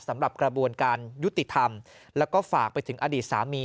สำหรับกระบวนการยุติธรรมแล้วก็ฝากไปถึงอดีตสามี